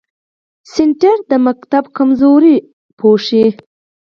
کورس د ښوونځي کمزوري پوښي.